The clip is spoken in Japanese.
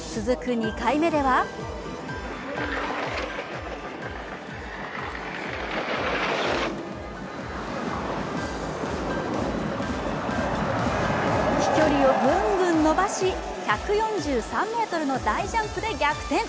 ２回目では飛距離をぐんぐん伸ばし１４３ｍの大ジャンプで逆転。